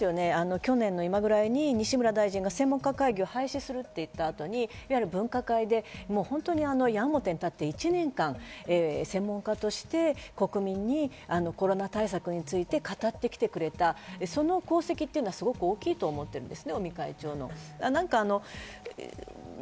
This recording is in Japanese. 去年の今ぐらいに西村大臣が専門家会議を廃止すると言った後に、分科会で本当に矢面にたって１年間専門家として、国民にコロナ対策について語ってきてくれたその功績というのはすごく大きいと思っています。